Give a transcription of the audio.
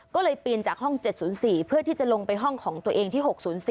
ก็เลยปีนจากห้อง๗๐๔เพื่อที่จะลงไปห้องของตัวเองที่๖๐๔